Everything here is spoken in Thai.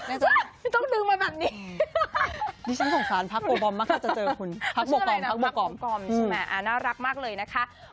ไม่ต้องดึงมาแบบนี้นี่ฉันสงสารพักโบบอมมากจะเจอคุณพักโบกอมพักโบกอมใช่ไหมอ่าน่ารักมากเลยนะคะ